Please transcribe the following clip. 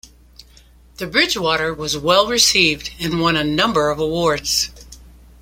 The Bridgewater was well received and won a number of awards.